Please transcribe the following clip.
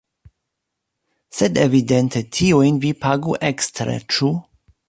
Sed evidente tiujn vi pagu ekstre, ĉu?